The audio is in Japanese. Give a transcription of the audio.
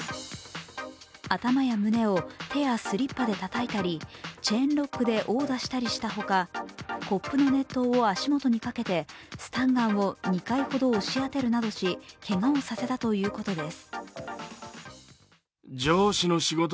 頭や胸を手やスリッパでたたいたり、チェーンロックで殴打したりしたほか、コップの熱湯を足元にかけてスタンガンを２回ほど押し当てるなどしけがをさせたということです。